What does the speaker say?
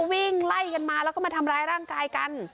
วิ่งไล่กันมาแล้วก็มาทำร้ายร่างกายกัน